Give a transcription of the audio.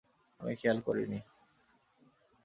আমি খেয়াল করিনি।